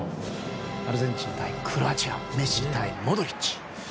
アルゼンチン対クロアチアメッシ対モドリッチ。